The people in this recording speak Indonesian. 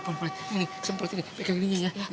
sampai ini pegang ini ya